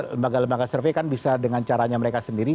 lembaga lembaga survei kan bisa dengan caranya mereka sendiri